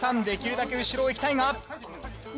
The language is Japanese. できるだけ後ろをいきたいが。